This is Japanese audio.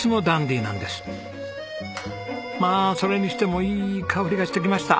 まあそれにしてもいい香りがしてきました。